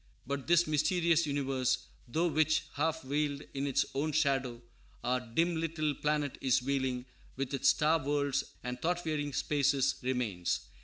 But this mysterious universe, through which, half veiled in its own shadow, our dim little planet is wheeling, with its star worlds and thought wearying spaces, remains.